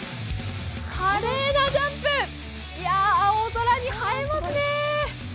華麗なジャンプ、いやぁ、青空に映えますね。